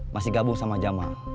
masih gabung sama jama